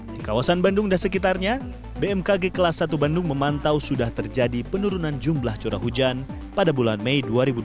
di kawasan bandung dan sekitarnya bmkg kelas satu bandung memantau sudah terjadi penurunan jumlah curah hujan pada bulan mei dua ribu dua puluh